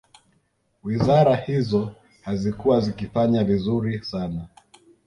Wizara hizo hazikuwa zikifanya vizuri sana